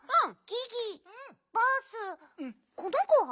この子は？